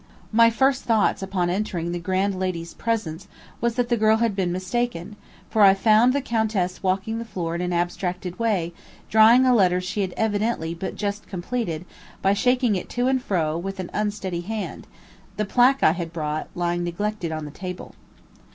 My first thoughts upon entering the grand lady's presence, was that the girl had been mistaken, for I found the Countess walking the floor in an abstracted way, drying a letter she had evidently but just completed, by shaking it to and fro with an unsteady hand; the placque I had brought, lying neglected on the table.